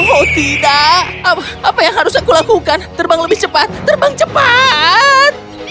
oh tidak apa yang harus aku lakukan terbang lebih cepat terbang cepat